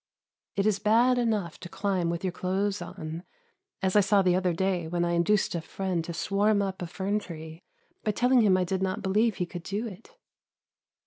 It is bad enough to climb with your clothes on, as I saw the other day, when I induced a friend to swarm up a fern tree by telling him I did not believe he could do it.